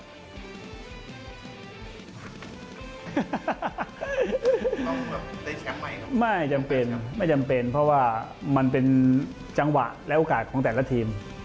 ต้องแบบไม่จำเป็นไม่จำเป็นเพราะว่ามันเป็นจังหวะและโอกาสของแต่ละทีม